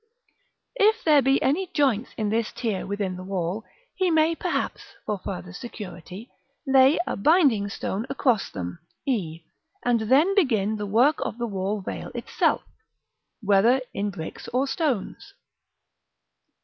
If there be any joints in this tier within the wall, he may perhaps, for further security, lay a binding stone across them, e, and then begin the work of the wall veil itself, whether in bricks or stones.